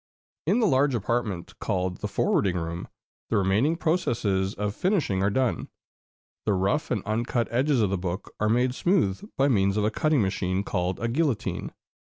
In the large apartment called the forwarding room, the remaining processes of finishing are done. The rough and uncut edges of the book are made smooth by means of a cutting machine called the "guillotine."